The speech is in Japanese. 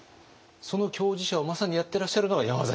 その共事者をまさにやってらっしゃるのが山崎さん。